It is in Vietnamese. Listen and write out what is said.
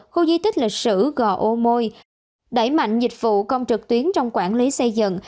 khu di tích lịch sử gò ôi đẩy mạnh dịch vụ công trực tuyến trong quản lý xây dựng